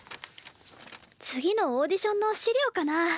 次のオーディションの資料かな？